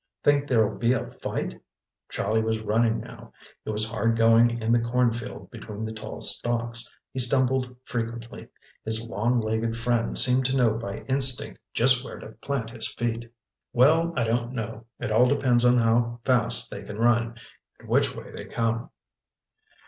"Think there'll be a fight?" Charlie was running now. It was hard going in the cornfield between the tall stalks. He stumbled frequently. His long legged friend seemed to know by instinct just where to plant his feet. "Well, I don't know—it all depends on how fast they can run, and which way they come."